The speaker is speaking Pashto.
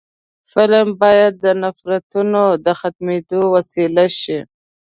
فلم باید د نفرتونو د ختمولو وسیله شي